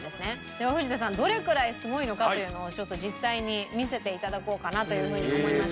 では藤田さんどれくらいすごいのかというのをちょっと実際に見せて頂こうかなというふうに思います。